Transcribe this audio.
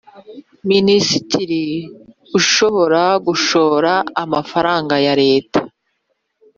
Minisitiri ishobora gushora amafaranga ya Leta